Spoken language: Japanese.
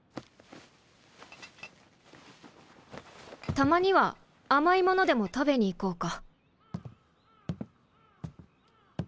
たまには甘いものでも食べに行こうか。